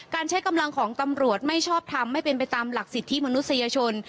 ใช้กำลังของตำรวจไม่ชอบทำให้เป็นไปตามหลักสิทธิมนุษยชน